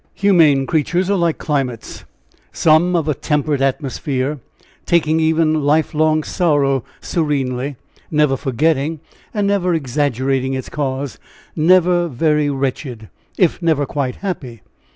Humane creatures are like climates some of a temperate atmosphere, taking even life long sorrow serenely never forgetting, and never exaggerating its cause never very wretched, if never quite happy.